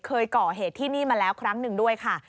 เคยเกาะเหตุมาเคือนี้แล้วครั้งนึงด้วยค่ะ